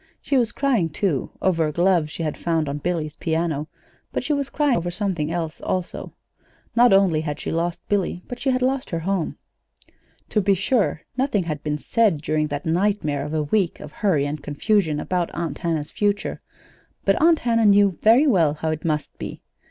She was crying, too, over a glove she had found on Billy's piano; but she was crying over something else, also. Not only had she lost Billy, but she had lost her home. To be sure, nothing had been said during that nightmare of a week of hurry and confusion about Aunt Hannah's future; but Aunt Hannah knew very well how it must be.